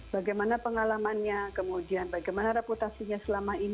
bagaimana pengalamannya kemudian bagaimana reputasinya selama ini